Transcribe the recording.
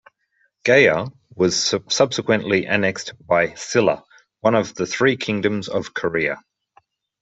Gaya was subsequently annexed by Silla, one of the Three Kingdoms of Korea.